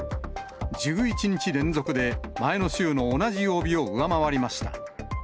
１１日連続で前の週の同じ曜日を上回りました。